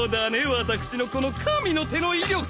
私のこの神の手の威力！